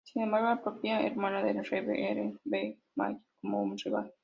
Sin embargo, la propia hermana de Reeve, Helen, ve a Gypsy como un rival.